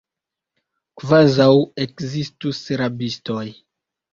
Kvazaŭ ekzistus rabistoj!